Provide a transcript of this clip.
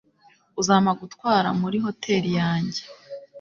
Uzampa gutwara muri hoteri yanjye